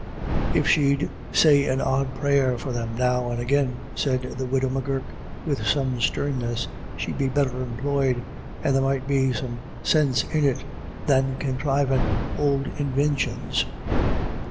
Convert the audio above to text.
"If she'd say an odd prayer for them now and agin," said the widow M'Gurk with some sternness, " she'd be better employed, and there might be more sinse in it than conthrivin' ould invintions."